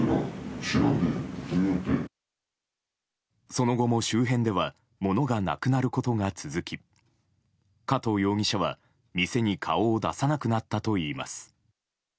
その後も周辺では物がなくなることが続き加藤容疑者は店に顔を出さなくなったといいます。